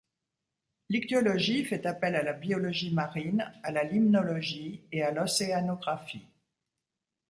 L'ichtyologie fait appel à la biologie marine, à la limnologie et à l'océanographie.